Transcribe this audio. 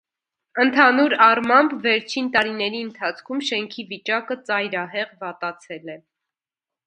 Ընդհանուր առմամբ վերջին տարիների ընթացքում շենքի վիճակը ծայրահեղ վատացել է։